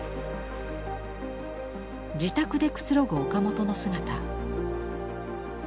自宅でくつろぐ岡本の姿。